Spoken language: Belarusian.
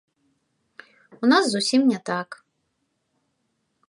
У нас зусім не так.